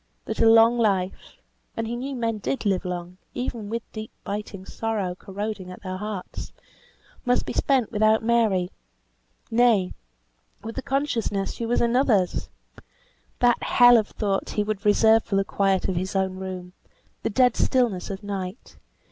That a long life (and he knew men did live long, even with deep, biting sorrow corroding at their hearts) must be spent without Mary; nay, with the consciousness she was another's! That hell of thought he would reserve for the quiet of his own room, the dead stillness of night.